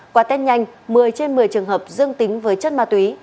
quả tên nhanh một mươi trên một mươi trường hợp dương tính với chân ma túy